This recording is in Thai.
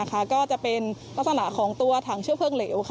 ก็จะเป็นลักษณะของตัวถังเชื้อเพลิงเหลว